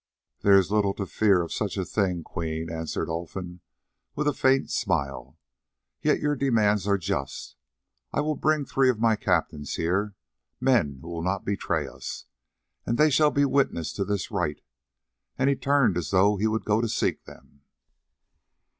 "There is little fear of such a thing, Queen," answered Olfan with a faint smile, "yet your demands are just. I will bring three of my captains here, men who will not betray us, and they shall be witness to this rite," and he turned as though he would go to seek them.